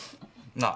なあ。